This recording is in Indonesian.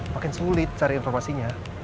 makin sulit cari informasinya